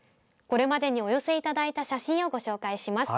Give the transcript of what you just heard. これまでにお寄せいただいた写真をご紹介します。